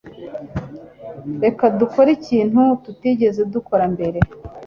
Reka dukore ikintu tutigeze dukora mbere.